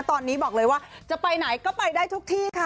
ตอนนี้บอกเลยว่าจะไปไหนก็ไปได้ทุกที่ค่ะ